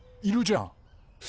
いるじゃん！